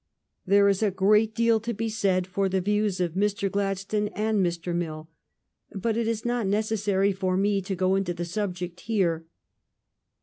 There is a great deal to be said for the views of Mr. Gladstone and Mr. Mill; but it is not necessary for me to go into the subject here.